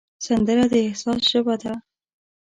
سندره د احساس ژبه ده